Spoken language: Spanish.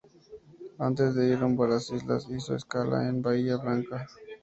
Antes de ir rumbo a las islas, hizo escala en Bahía Blanca.